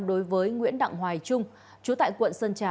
đối với nguyễn đặng hoài trung chú tại quận sơn trà